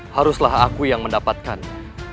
haruslah aku yang mendapatkannya